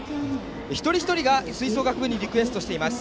一人一人が吹奏楽部にリクエストしています。